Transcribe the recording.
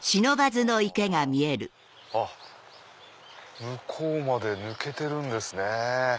あっ向こうまで抜けてるんですね。